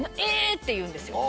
って言うんですよ。